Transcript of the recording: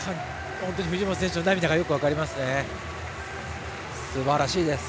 本当に藤本選手の涙がよく分かりますね。